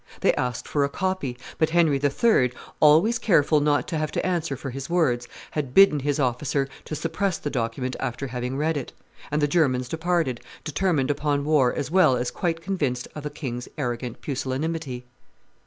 They asked for a copy; but Henry III., always careful not to have to answer for his words, had bidden his officer to suppress the document after having read it; and the Germans departed, determined upon war as well as quite convinced of the king's arrogant pusillanimity.